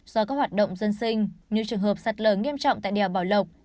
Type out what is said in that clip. do các hoạt động dân sinh như trường hợp sạt lở nghiêm trọng tại đèo bảo lộc